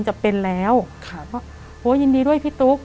แต่ขอให้เรียนจบปริญญาตรีก่อน